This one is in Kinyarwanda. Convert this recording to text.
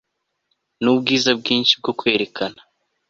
nubwiza bwinshi bwo kwerekana